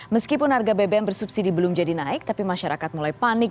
meskipun harga bbm bersubsidi belum jadi naik tapi masyarakat mulai panik